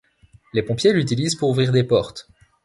Les pompiers l'utilisent pour ouvrir des portes.